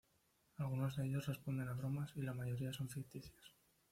Algunos de ellos responden a bromas y la mayoría son ficticios.